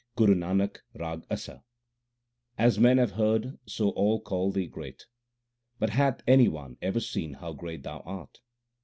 GURU NANAK, RAG ASA As men have heard so all call Thee great ; But hath any one ever seen how great Thou art